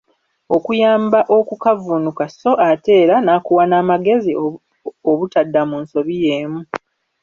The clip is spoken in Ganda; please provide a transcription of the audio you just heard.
Akuyamba okukavvuunuka so ate era nakuwa n'amagezi obutadda mu nsobi yeemu.